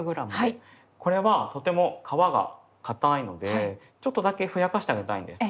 これはとても皮がかたいのでちょっとだけふやかしてあげたいんです。